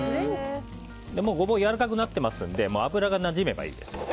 ゴボウがもうやわらかくなってますので油がなじめばいいです。